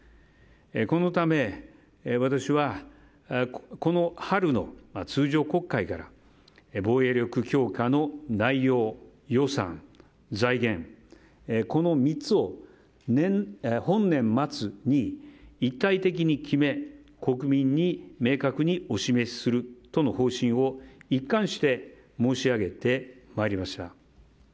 このため、私はこの春の通常国会から防衛力強化の内容、予算、財源この３つを本年末に一体的に決め国民に明確にお示しする方針を一貫して申し上げてまいりました。